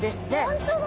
本当だ！